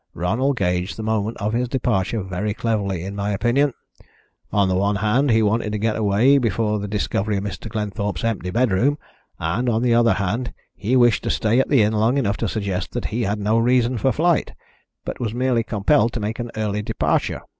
Ronald gauged the moment of his departure very cleverly, in my opinion. On the one hand, he wanted to get away before the discovery of Mr. Glenthorpe's empty bedroom; and, on the other hand, he wished to stay at the inn long enough to suggest that he had no reason for flight, but was merely compelled to make an early departure.